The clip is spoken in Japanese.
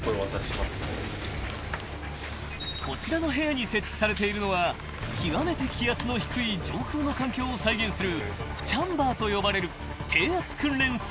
［こちらの部屋に設置されているのは極めて気圧の低い上空の環境を再現する］